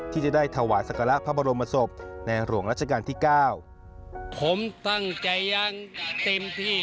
ที่จะได้ถวัดศักราคพระบรมศพในหลวงรัชกาลที่๙